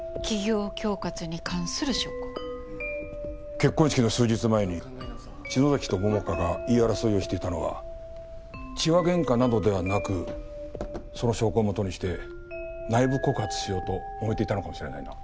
結婚式の数日前に篠崎と桃花が言い争いをしていたのは痴話ゲンカなどではなくその証拠をもとにして内部告発しようともめていたのかもしれないな。